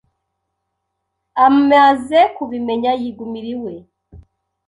Amaze kubimenya yigumira iwe,